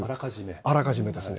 あらかじめですね。